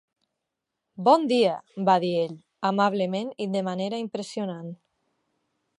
"Bon dia", va dir ell, amablement i de manera impressionant.